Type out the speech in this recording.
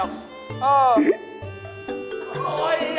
เอรูปอย่างนี้